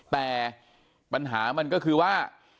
แต่ปัญหามันก็คือว่า